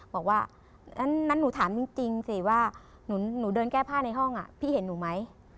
บอกว่างั้นหนูถามจริงสิว่าหนูเดินแก้ผ้าในห้องพี่เห็นหนูไหม